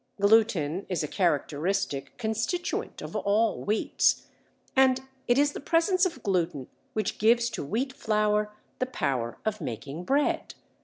Gluten is a characteristic constituent of all wheats, and it is the presence of gluten which gives to wheat flour the power of making bread.